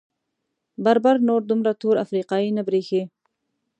بربر نور دومره تور افریقايي نه برېښي.